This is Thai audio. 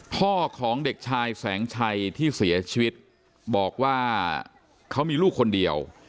พ่อของเด็กชายแสงชัยที่เสียชีวิตบอกว่าเขามีลูกคนเดียว